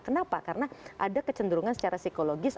kenapa karena ada kecenderungan secara psikologis